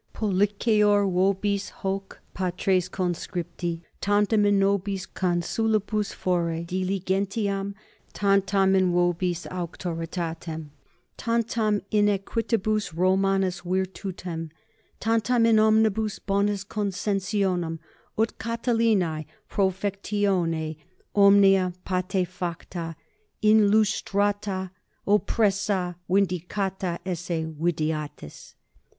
Polliceor vobis hoc, patres conscripti, tantam in nobis consulibus fore diligentiam, tantam in vobis auctoritatem, tantam in equitibus Romanis virtutem, tantam in omnibus bonis consensionem, ut Catilinae profectione omnia patefacta inlustrata, oppressa vindicata esse videatis.